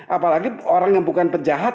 apalagi orang yang bukan penjahat